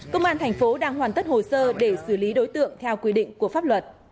công an thành phố đang hoàn tất hồ sơ để xử lý đối tượng theo quy định của pháp luật